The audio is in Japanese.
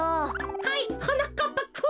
はいはなかっぱくん。